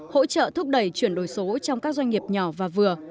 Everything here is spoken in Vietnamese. hỗ trợ thúc đẩy chuyển đổi số trong các doanh nghiệp nhỏ và vừa